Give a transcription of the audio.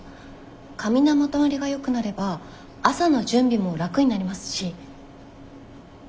髪のまとまりがよくなれば朝の準備も楽になりますし。